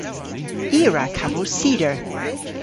I a wra kavos cider.